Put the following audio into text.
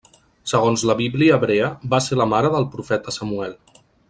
Segons la Bíblia hebrea va ser la mare del profeta Samuel.